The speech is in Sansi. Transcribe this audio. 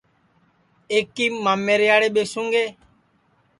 ایکیم مامیریاڑے ٻیسوں گے